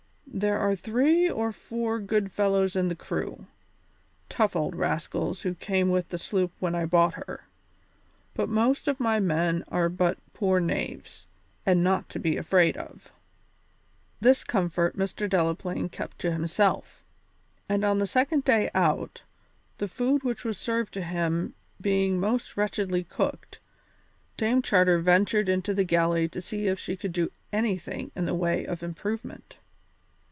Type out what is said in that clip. There are three or four good fellows in the crew, tough old rascals who came with the sloop when I bought her, but most of my men are but poor knaves, and not to be afraid of." This comfort Mr. Delaplaine kept to himself, and on the second day out, the food which was served to them being most wretchedly cooked, Dame Charter ventured into the galley to see if she could do anything in the way of improvement.